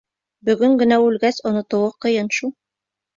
Бөгөн генә үлгәс, онотоуы ҡыйын шул.